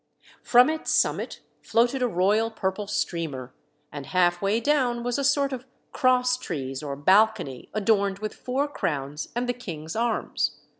From its summit floated a royal purple streamer; and half way down was a sort of cross trees or balcony adorned with four crowns and the king's arms.